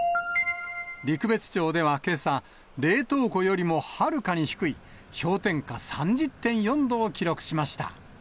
陸別町ではけさ、冷凍庫よりもはるかに低い氷点下３０．４度を記録しました。